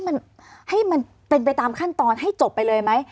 มันให้มันเป็นไปตามขั้นตอนให้จบไปเลยไหม